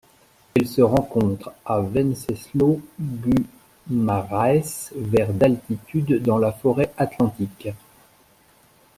Elle se rencontre à Wenceslau Guimarães vers d'altitude dans la forêt atlantique.